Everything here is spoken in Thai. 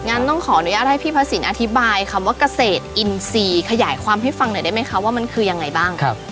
งั้นต้องขออนุญาตให้พี่พระสินอธิบายคำว่าเกษตรอินทรีย์ขยายความให้ฟังหน่อยได้ไหมคะว่ามันคือยังไงบ้าง